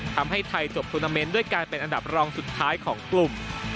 ทำให้ไทยจบทวนาเมนต์ด้วยการเป็นอันดับรองสุดท้ายของกลุ่ม